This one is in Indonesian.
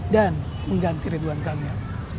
dan mengganti ridwan kamil